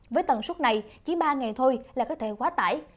với tần suất này chỉ ba ngày thôi là có thể quá tải